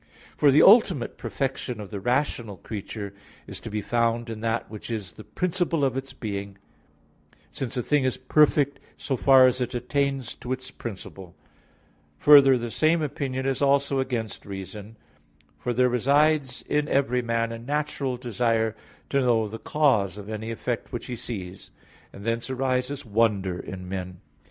For the ultimate perfection of the rational creature is to be found in that which is the principle of its being; since a thing is perfect so far as it attains to its principle. Further the same opinion is also against reason. For there resides in every man a natural desire to know the cause of any effect which he sees; and thence arises wonder in men.